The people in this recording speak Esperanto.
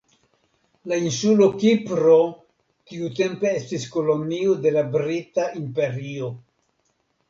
La insulo Kipro tiutempe estis kolonio de la Brita Imperio.